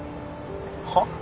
はっ？